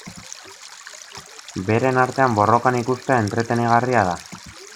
Beren artean borrokan ikustea entretenigarria da.